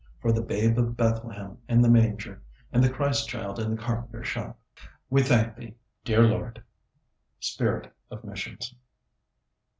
For the Babe of Bethlehem in the manger, and the Christ Child in the carpenter shop; We thank Thee, dear Lord. (_Spirit of Missions.